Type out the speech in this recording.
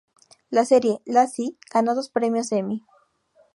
La serie "Lassie" ganó dos premios Emmy.